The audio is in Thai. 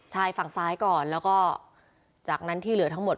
ชายฝั่งซ้ายก่อนแล้วก็จากนั้นที่เหลือทั้งหมด